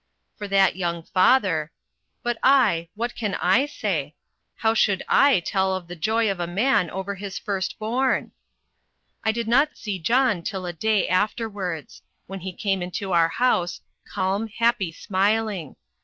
For that young father But I what can I say? How should I tell of the joy of a man over his first born? I did not see John till a day afterwards when he came into our house, calm, happy, smiling.